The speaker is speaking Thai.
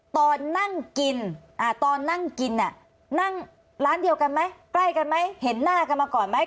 ตอนนั่งกินนั่งร้านเดียวกล้ายกันไหมเห็นหน้ากันมาก่อนไหม